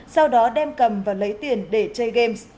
sau đó đem cầm và lấy tiền để chơi game